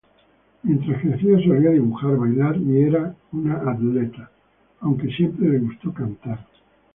Mientras crecía solía dibujar, bailar y era una atleta, aunque siempre le gustó cantar.